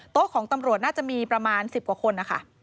ของตำรวจน่าจะมีประมาณ๑๐กว่าคนนะคะ